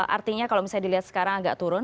artinya kalau misalnya dilihat sekarang agak turun